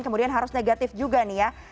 kemudian harus negatif juga nih ya